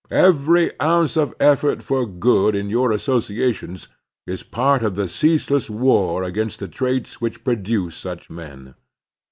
Every ounce of effort for good in your associations is part of the 3X4 The Strenuous Life ceaseless war against the traits which produce such men.